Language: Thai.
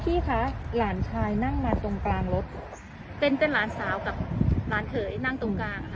พี่คะหลานชายนั่งมาตรงกลางรถเป็นเป็นหลานสาวกับหลานเขยนั่งตรงกลางค่ะ